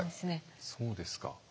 そうですか。